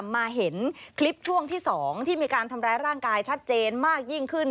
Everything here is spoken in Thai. มาเห็นคลิปช่วงที่๒ที่มีการทำร้ายร่างกายชัดเจนมากยิ่งขึ้น